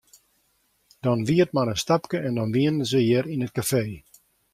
Dan wie it mar in stapke en dan wienen se hjir yn it kafee.